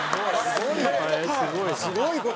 すごいな。